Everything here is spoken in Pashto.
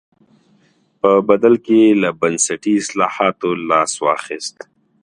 په بدل کې یې له بنسټي اصلاحاتو لاس واخیست.